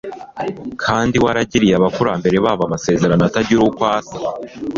kandi waragiriye abakurambere babo amasezerano atagira uko asa